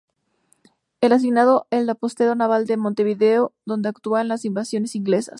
Es asignado al Apostadero Naval de Montevideo, donde actúa en las Invasiones Inglesas.